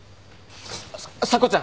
さ査子ちゃん。